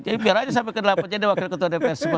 jadi biar aja sampai ke delapan jadi wakil ketua dpr semua